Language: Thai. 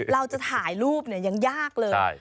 เราจะถ่ายรูปยังยากเลย